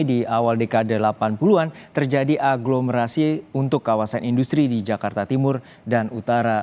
di awal dekade delapan puluh an terjadi agglomerasi untuk kawasan industri di jakarta timur dan utara